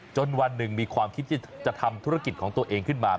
วันหนึ่งมีความคิดที่จะทำธุรกิจของตัวเองขึ้นมา